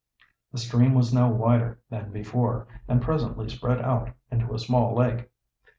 The stream was now wider than before, and presently spread out into a small lake.